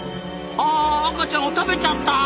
あ赤ちゃんを食べちゃった！